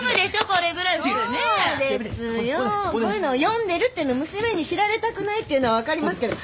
こういうのを読んでるっての娘に知られたくないっていうのは分かりますけど。